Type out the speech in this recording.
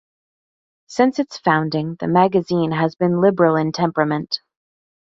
Since its founding the magazine has been liberal in temperament.